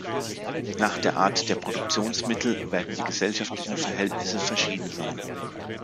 Nach der Art der Produktionsmittel werden die gesellschaftlichen Verhältnisse verschieden sein.